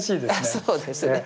そうですね。